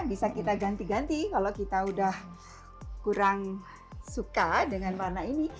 bisa kita ganti ganti kalau kita udah kurang suka dengan warna ini